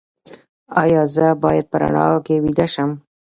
ایا زه باید په رڼا کې ویده شم؟